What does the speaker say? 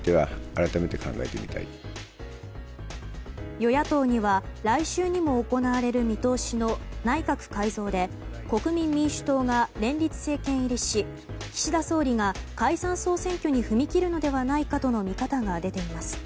与野党には、来週にも行われる見通しの内閣改造で国民民主党が連立政権入りし岸田総理が解散・総選挙に踏み切るのではないかとの見方が出ています。